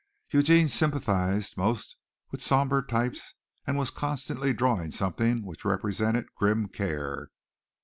Eugene sympathized most with sombre types and was constantly drawing something which represented grim care.